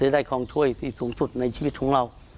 ได้ของถ้วยที่สูงสุดในชีวิตของเรา